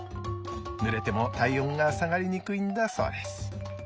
濡れても体温が下がりにくいんだそうです。